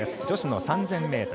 女子の３０００ｍ。